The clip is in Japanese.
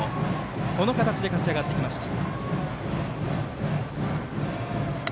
この形で勝ち上がってきました。